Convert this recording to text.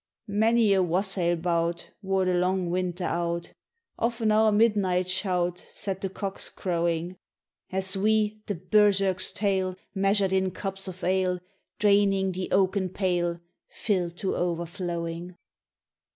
"Many a wassail bout Wore the long Winter out; RAINBOW GOLD Often our midnight shout Set the cocks crowing, As we the Berserk's tale Measured in cups of ale, Draining the oaken pail, Filled to o'erflowing.